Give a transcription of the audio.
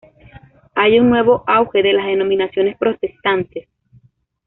Hay un nuevo auge de las denominaciones protestantes.